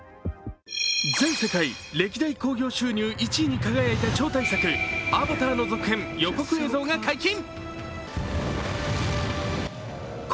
全世界歴代興行収入１位に輝いた超大作、「アバター」の続編予告映像が解禁。